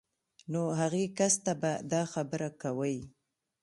نو هغې کس ته به دا خبره کوئ